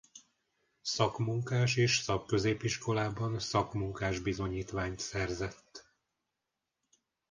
Szakmunkás és Szakközépiskolában szakmunkás-bizonyítványt szerzett.